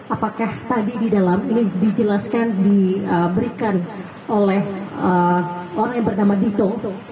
apakah tadi di dalam ini dijelaskan diberikan oleh orang yang bernama dito